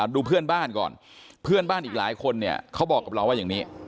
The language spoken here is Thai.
ดูเพื่อนบ้านก่อนเพื่อนบ้านอีกหลายคนเนี่ยเขาบอกกับเราว่าอย่างนี้